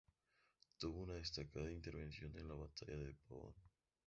Tuvo una destacada intervención en la batalla de Pavón.